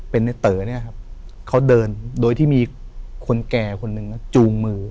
เป็นในเต๋อเนี่ยครับเขาเดินโดยที่มีคนแก่คนหนึ่งจูงมือ